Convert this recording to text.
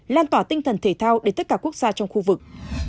lan tỏa tinh thần thể thao đến tất cả quốc gia trong khu vực